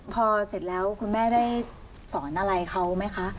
พอเสร็จแล้วคุณแม่ได้สอนอะไรเขาไหมคะ